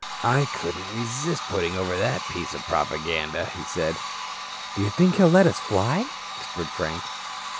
"I couldn't resist putting over that piece of propaganda," he said. "Do you think he'll let us fly?" whispered Frank.